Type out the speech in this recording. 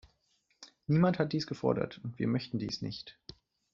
Niemand hat dies gefordert, und wir möchten dies nicht.